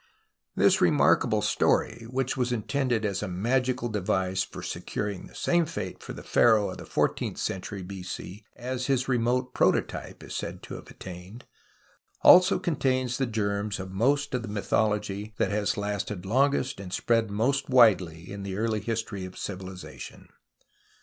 This remarkable story, which was intended as a magical device for securing the same fate for the pharaoh of the fourteenth century b.c. as his remote prototype is said to have attained, also contains the germs of most of the myth ology that has lasted longest and spread most widely in the early history of civilization.